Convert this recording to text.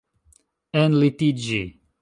enlitiĝi